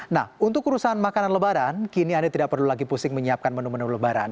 nah untuk urusan makanan lebaran kini anda tidak perlu lagi pusing menyiapkan menu menu lebaran